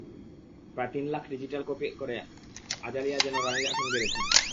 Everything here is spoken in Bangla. প্রায় তিন লাখ ডিজিটাল কপি বিক্রি করে আজালিয়া যেন রানির আসন গেড়েছেন।